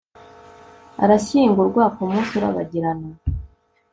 arashyingurwa. ku munsi urabagirana